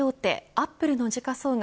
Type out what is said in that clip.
アップルの時価総額